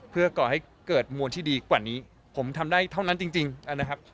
เพื่อก่อให้เกิดมวลที่ดีกว่านี้ผมทำได้เท่านั้นจริงนะครับ